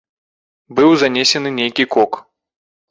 Быў занесены нейкі кок.